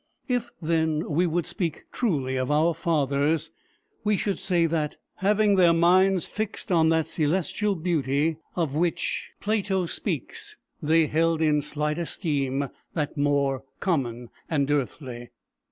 If, then, we would speak truly of our fathers, we should say that, having their minds fixed on that celestial beauty of which Plato speaks, they held in slight esteem that more common and earthly.